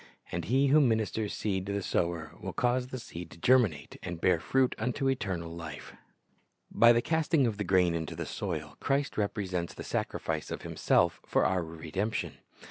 And He who ministers seed to the sower will cause the seed to cferminate and bear fruit unto eternal life. By the casting of the grain into the soil, Christ repre sents the sacrifice of Himself for our redemption.